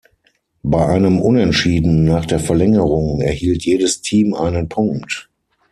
Bei einem Unentschieden nach der Verlängerung erhielt jedes Team einen Punkt.